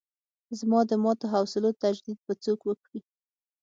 زما د ماتو حوصلو تجدید به څوک وکړي.